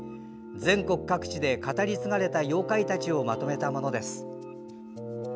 全国各地で語り継がれた妖怪たちをまとめたものです。